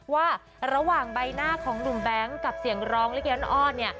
ว่าระหว่างใบหน้าของหนุ่มแบงค์กับเสียงร้องลิเกอ้อนเนี่ย